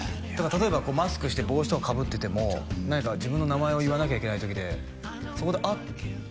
ただ例えばマスクして帽子とかかぶってても何か自分の名前を言わなきゃいけない時でそこで「あっ」